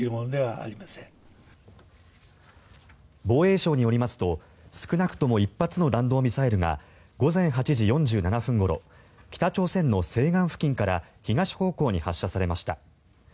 防衛省によりますと少なくとも１発の弾道ミサイルが午前８時４７分ごろ北朝鮮の西岸付近から東方向に発射されました。